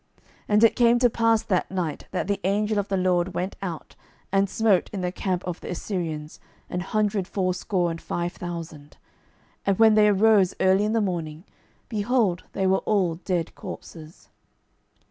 12:019:035 And it came to pass that night, that the angel of the LORD went out, and smote in the camp of the Assyrians an hundred fourscore and five thousand: and when they arose early in the morning, behold, they were all dead corpses.